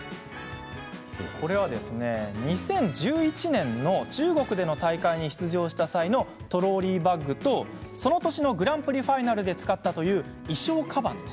２０１１年、中国での大会に出場した際のトローリーバッグとその年のグランプリファイナルで使ったという衣装かばん。